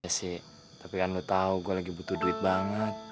sc tapi kan lo tau gue lagi butuh duit banget